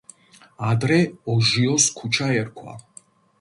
ადრე ოჟიოს ქუჩა ერქვა.